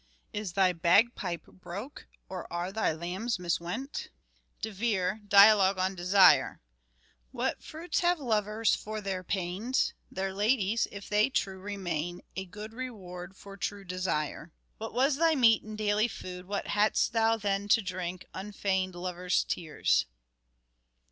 Is thy bagpipe broke or are thy lambs miswent ? De Vere (Dialogue on Desire) : What fruits have lovers for their pains ? Their ladies, if they true remain, A good reward for true desire. What was thy meat and daily food ? What hadst thou then to drink ? Unfeigned lover's tears.